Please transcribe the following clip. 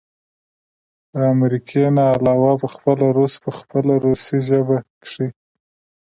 د امريکې نه علاوه پخپله روس په خپله روسۍ ژبه کښې